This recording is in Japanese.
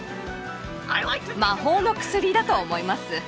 魔法の薬だと思います。